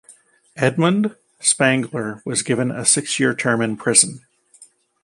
Edmund Spangler was given a six-year term in prison.